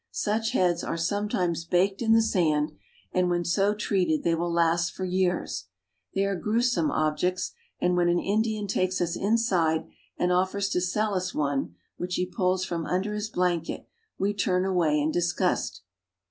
Such heads are some times baked in the sand, and when so treated they will last for years. They are grewsome objects, and when an In dian takes us aside and offers to sell us one, which he pulls from under his blan ket, we turn away in disgust.